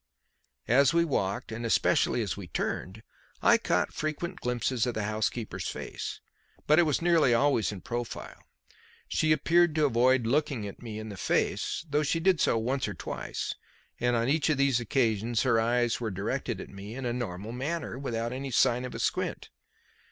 As we walked, and especially as we turned, I caught frequent glimpses of the housekeeper's face. But it was nearly always in profile. She appeared to avoid looking me in the face, though she did so once or twice; and on each of these occasions her eyes were directed at me in a normal manner without any sign of a squint.